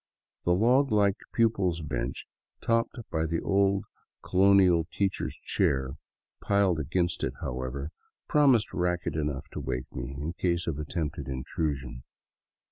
The log like pupils' bench, topped by the old colonial teacher's chair, piled against it, however, promised racket enough to wake me in case of attempted intrusion.